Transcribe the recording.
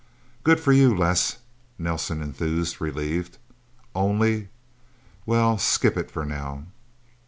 "Good for you, Les," Nelsen enthused, relieved. "Only well, skip it, for now."